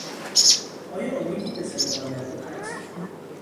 آیا امیدی به زنده ماندن او هست؟